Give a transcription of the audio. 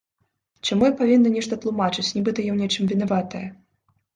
Чаму я павінна нешта тлумачыць, нібыта я ў нечым вінаватая?